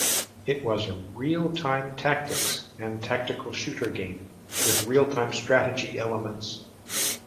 It was a real-time tactics and tactical shooter game with real-time strategy elements.